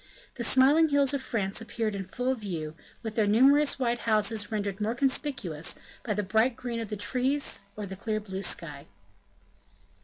The smiling hills of France appeared in full view, with their numerous white houses rendered more conspicuous by the bright green of the trees or the clear blue sky.